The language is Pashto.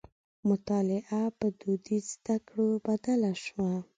مطالعه په دودیزو زدکړو بدله شوه.